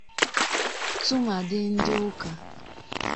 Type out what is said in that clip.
tụmadị ndị ụka